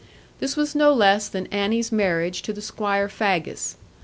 This was no less than Annie's marriage to the Squire Faggus.